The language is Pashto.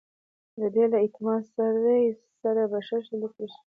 د ده له اعتمادي سړي سره به ښه سلوک وشي.